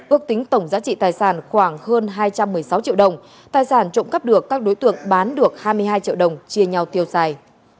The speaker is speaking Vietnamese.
ước tính tổng giá trị tài sản khoảng hơn hai trăm một mươi sáu triệu đồng tài sản trộm cắp được các đối tượng bán được hai mươi hai triệu đồng chia nhau tiêu xài